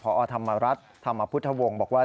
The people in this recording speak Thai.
พอธรรมรัฐธรรมพุทธวงศ์บอกว่า